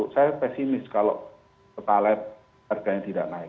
saya pesimis kalau pertalite harganya tidak naik